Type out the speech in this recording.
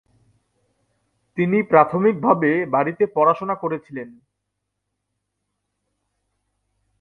তিনি প্রাথমিকভাবে বাড়িতে পড়াশোনা করেছিলেন।